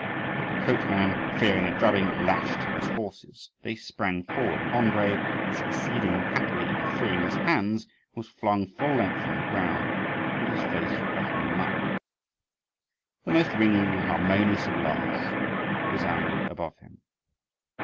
But the coachman, fearing a drubbing, lashed his horses; they sprang forward, and Andrii, succeeding happily in freeing his hands, was flung full length on the ground with his face flat in the mud. The most ringing and harmonious of laughs resounded above him.